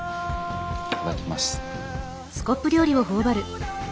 いただきます。